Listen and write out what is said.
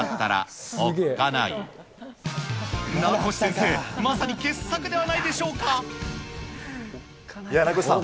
名越先生、まさに傑作ではないで名越さん。